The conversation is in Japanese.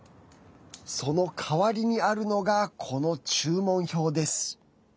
その代わりにあるのがこの注文表です。